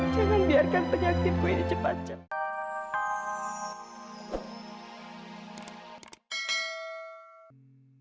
jangan biarkan penyakitku ini cepat cepat